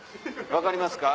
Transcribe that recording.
分かりますか？